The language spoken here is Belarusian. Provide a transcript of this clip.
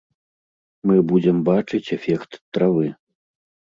Мы будзем бачыць эфект травы.